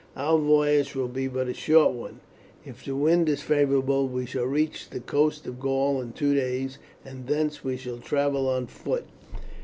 Our voyage will be but a short one. If the wind is favourable we shall reach the coast of Gaul in two days, and thence we shall travel on foot."